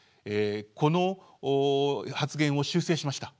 この発言を修正しました。